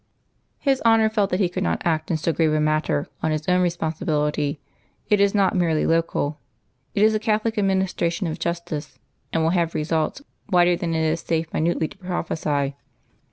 His Honour felt that He could not act in so grave a matter on His own responsibility; it is not merely local; it is a catholic administration of justice, and will have results wider than it is safe minutely to prophesy.